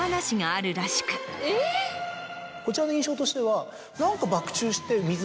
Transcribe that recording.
こちらの印象としては何か。